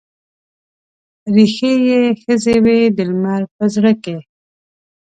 ریښې یې ښخې وي د لمر په زړه کې